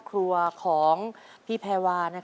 เจ้าชายศิษฐะทรงพนวทที่ริมฝั่งแม่น้ำใด